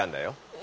え。